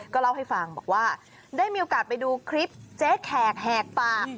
ก็เล่าให้ฟังบอกว่าได้มีโอกาสไปดูคลิปเจ๊แขกแหกปาก